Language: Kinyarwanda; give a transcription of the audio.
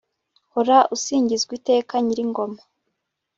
hora usingizwa iteka nyir'ingoma